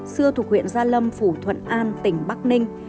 xưa thuộc huyện gia lâm phủ thuận an tỉnh bắc ninh